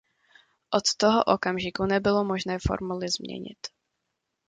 Od toho okamžiku nebylo možné formuli změnit.